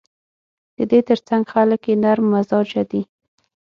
د دې ترڅنګ خلک یې نرم مزاجه دي.